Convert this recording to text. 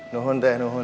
nuhun teh nuhun